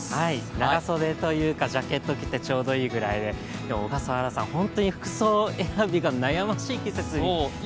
長袖というか、ジャケットを着てちょうどいいぐらいで小笠原さん、本当に服装選びが悩ましい季節になったなという。